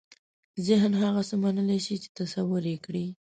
ذهن هغه څه منلای شي چې تصور یې کړي.